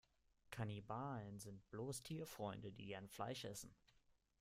Kannibalen sind bloß Tierfreunde, die gern Fleisch essen.